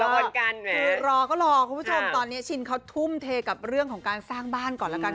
คือรอก็รอคุณผู้ชมตอนนี้ชินเขาทุ่มเทกับเรื่องของการสร้างบ้านก่อนแล้วกัน